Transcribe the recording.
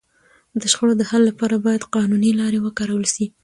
د شخړو د حل لپاره باید قانوني لاري وکارول سي.